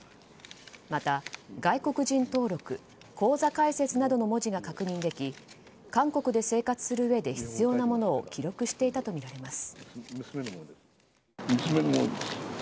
また「外国人登録」「口座開設」の文字が確認でき韓国で生活するうえで必要なものを記録していたとみられます。